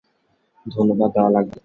ধন্যবাদ দেওয়া লাগবে না।